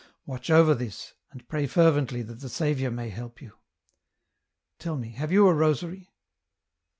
Watch over this, and pray fervently that the Saviour may help you. Tell me, have you a rosary